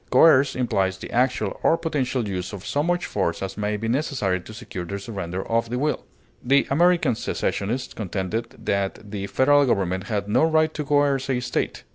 Coerce implies the actual or potential use of so much force as may be necessary to secure the surrender of the will; the American secessionists contended that the Federal government had no right to coerce a State.